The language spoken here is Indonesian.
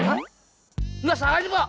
enggak salah book